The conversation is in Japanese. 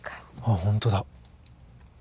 あっ本当だ。